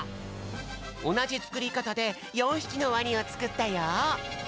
おなじつくりかたで４ひきのワニをつくったよ。